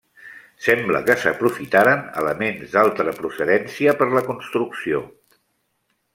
Sembla que s'aprofitaren elements d'altra procedència per la construcció.